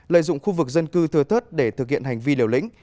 lợi dụng khu vực dân cư thừa thớt để thực hiện hành vi liều lĩnh